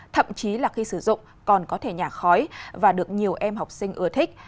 thậm chí là khi sử dụng còn có thể nhả khói và được nhiều em học sinh ưa thích